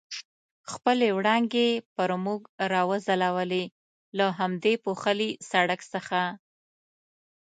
خپلې وړانګې پر موږ را وځلولې، له همدې پوښلي سړک څخه.